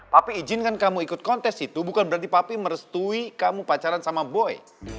tapi izinkan kamu ikut kontes itu bukan berarti papi merestui kamu pacaran sama boy